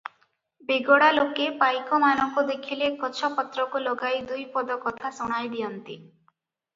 ବେଗଡ଼ା ଲୋକେ ପାଇକମାନଙ୍କୁ ଦେଖିଲେ ଗଛ ପତ୍ରକୁ ଲଗାଇ ଦୁଇପଦ କଥା ଶୁଣାଇଦିଅନ୍ତି ।